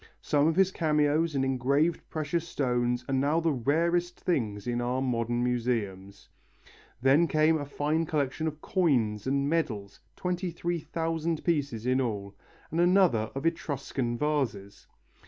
Some of his cameos and engraved precious stones are now the rarest things in our modern museums. Then came a fine collection of coins and medals, 23,000 pieces in all, and another of Etruscan vases.